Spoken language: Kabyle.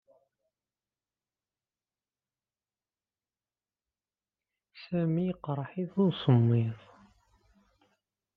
Sami yeqreḥ-it usemmiḍ.